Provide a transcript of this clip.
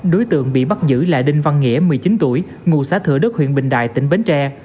đối tượng bị bắt giữ là đinh văn nghĩa một mươi chín tuổi ngụ xã thừa đức huyện bình đại tỉnh bến tre